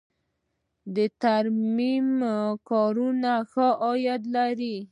د ترمیم کاران ښه عاید لري